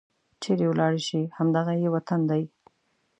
چيرې ولاړې شي؟ همد غه یې وطن دی